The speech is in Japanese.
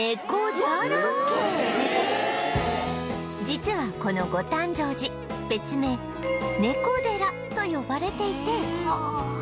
実はこの御誕生寺別名猫寺と呼ばれていて